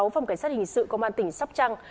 phòng cảnh sát hình sự công an tỉnh sóc trăng